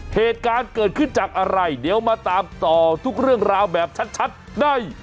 เหตุการณ์เกิดขึ้นจากอะไรเดี๋ยวมาตามต่อทุกเรื่องราวแบบชัดได้